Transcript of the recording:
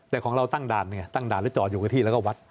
แต่ของเราตั้งด่านไงตั้งด่านหรือจอดอยู่กับที่แล้วก็วัด